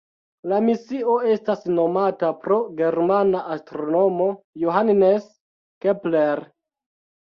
La misio estas nomata pro germana astronomo Johannes Kepler.